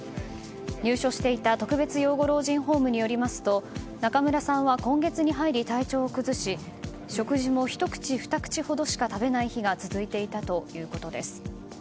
入所していた特別養護老人ホームによりますと中村さんは今月に入り体調を崩し食事もひと口、ふた口ほどしか食べない日が続いていたということです。